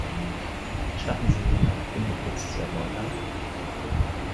Gestatten Sie mir, meine Gründe kurz zu erläutern.